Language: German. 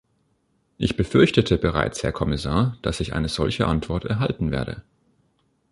Ich befürchtete bereits, Herr Kommissar, dass ich eine solche Antwort erhalten werde.